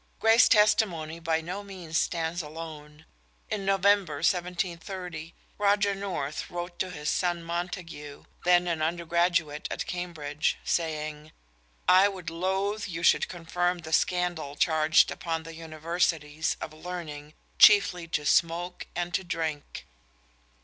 Gray's testimony by no means stands alone. In November 1730 Roger North wrote to his son Montague, then an undergraduate at Cambridge, saying: "I would be loath you should confirm the scandal charged upon the universities of learning chiefly to smoke and to drink."